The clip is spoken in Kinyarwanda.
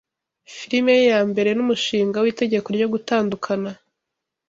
Filime ye ya mbere n'Umushinga w'itegeko ryo gutandukana"